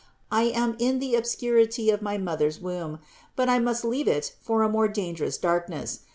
I am in the obscurity of my mother's womb, but I must leave it for a more dangerous darkness.